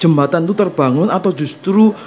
jembatan itu terbangun atau justru